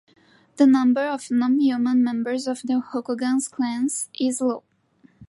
The number of non-human members of Rokugan's clans is low.